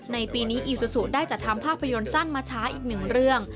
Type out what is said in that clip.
ในปีนี้อีซูซูได้จัดทำภาพยนตร์สั้นมาช้าอีกหนึ่งเรื่อง